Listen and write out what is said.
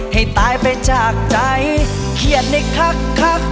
ให้ตายไปจากใจเครียดในคัก